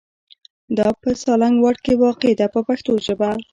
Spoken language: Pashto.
دا په سالنګ واټ کې واقع ده په پښتو ژبه.